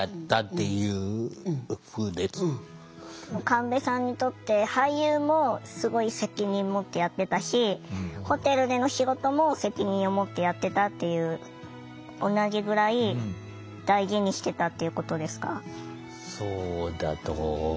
神戸さんにとって俳優もすごい責任持ってやってたしホテルでの仕事も責任を持ってやってたっていう同じぐらい大事にしてたっていうことですか？